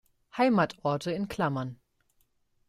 Heimatorte in Klammern.